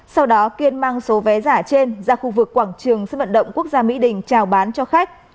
sau đó kiên mang số vé giả trên ra khu vực quảng trường sân vận động quốc gia mỹ đình trào bán cho khách